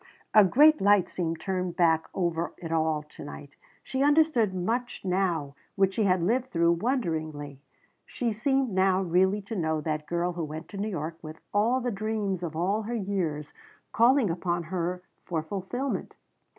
A great light seemed turned back over it all tonight. She understood much now which she had lived through wonderingly. She seemed now really to know that girl who went to New York with all the dreams of all her years calling upon her for fulfillment.